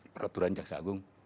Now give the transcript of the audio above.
peraturan jaksa agung